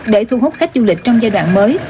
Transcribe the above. để thu hút khách du lịch trong giai đoạn mới